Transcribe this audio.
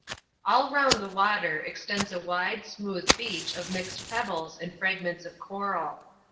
All round the water, extends a wide, smooth beach of mixed pebbles and fragments of coral.